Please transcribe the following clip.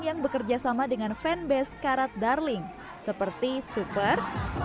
yang bekerjasama dengan fanbase karat darling seperti super